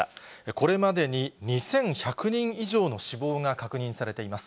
これまでに２１００人以上の死亡が確認されています。